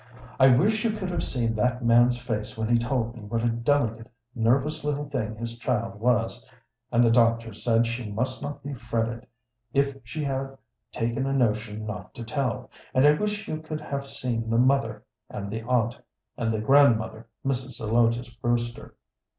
I wish you could have seen that man's face when he told me what a delicate, nervous little thing his child was, and the doctor said she must not be fretted if she had taken a notion not to tell; and I wish you could have seen the mother and the aunt, and the grandmother, Mrs. Zelotes Brewster.